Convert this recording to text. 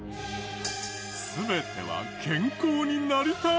全ては「健康になりたい！」